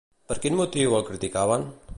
Per quin motiu el criticaven?